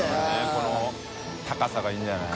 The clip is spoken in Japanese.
この高さがいいんじゃない？